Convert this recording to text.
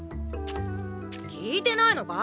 聞いてないのか？